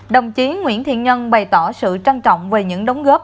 đồng chí nguyễn thiện nhân bày tỏ sự trân trọng về những đóng góp